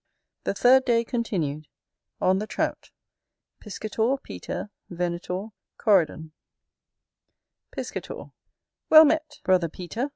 The third day continued On the Trout Chapter V Piscator, Peter, Venator, Coridon Piscator. Well met, brother Peter!